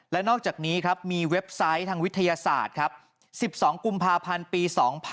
และนอกจากนี้ครับมีเว็บไซต์ทางวิทยาศาสตร์ครับ๑๒กุมภาพันธ์ปี๒๕๖๒